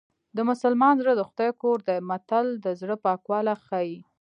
د مسلمان زړه د خدای کور دی متل د زړه پاکوالی ښيي